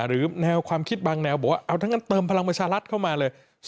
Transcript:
หรือแนวความคิดบางแนวบอกว่าเอาทั้งนั้นเติมพลังประชารัฐเข้ามาเลย